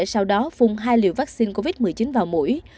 sau đó phun hai liều vaccine covid một mươi chín vào mũi